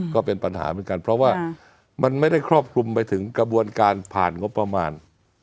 ก็เป็นปัญหาเหมือนกันเพราะว่ามันไม่ได้ครอบคลุมไปถึงกระบวนการผ่านงบประมาณ